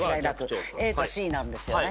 ＡかＣなんですよね。